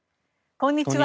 こんにちは。